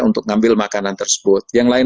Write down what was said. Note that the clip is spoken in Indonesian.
untuk ngambil makanan tersebut yang lain